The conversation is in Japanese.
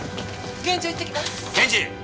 現場行ってきます。